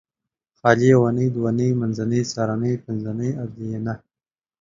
خالي یونۍ دونۍ منځنۍ څارنۍ پنځنۍ ادینه